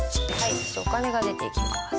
お金が出ていきます。